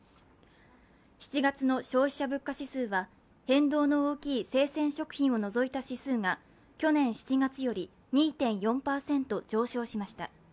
７月の消費者態度指数は変動の大きい生鮮食品を除いた指数が去年７月より２．４％上昇しました。